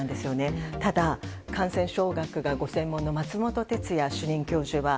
ただ、感染症学がご専門の松本哲哉主任教授は